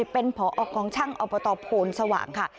เป็นพอชั่งอโพนสว่างค่ะ